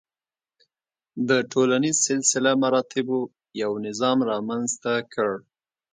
د ټولنیز سلسله مراتبو یو نظام رامنځته کړ.